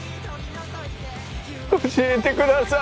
教えてください！